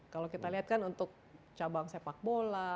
kalau kita lihat kan untuk cabang sepak bola